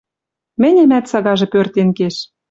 Мӹньӹмӓт сагажы пӧртен кеш.